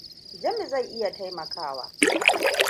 Jami zai iya taimakawa.